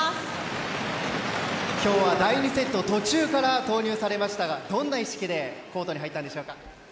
今日は第２セット途中から投入されましたが、どんな意識でコートに入ったんでしょうか。